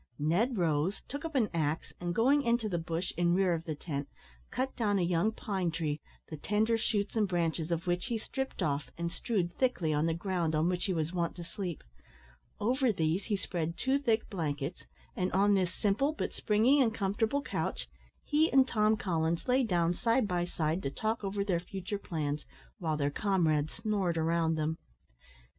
Ned rose, took up an axe, and, going into the bush in rear of the tent, cut down a young pine tree, the tender shoots and branches of which he stripped off, and strewed thickly on the ground on which he was wont to sleep; over these he spread two thick blankets, and on this simple but springy and comfortable couch he and Tom Coffins lay down side by side to talk over their future plans, while their comrades snored around them.